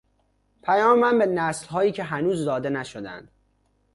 پیام من به نسلهایی که هنوز زاده نشدهاند